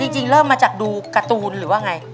จริงเริ่มมาจากดูการ์ตูนหรือว่าไง